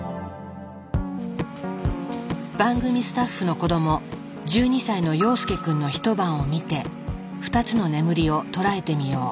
番組スタッフの子供１２歳の陽介君の一晩を見て２つの眠りを捉えてみよう。